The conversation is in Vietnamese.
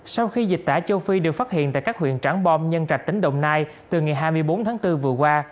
sau khi dịch tả châu phi được phát hiện tại các huyện trảng bom nhân trạch tỉnh đồng nai từ ngày hai mươi bốn tháng bốn vừa qua